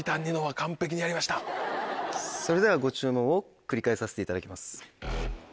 それではご注文を繰り返させていただきます。